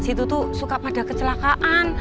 di situ tuh suka pada kecelakaan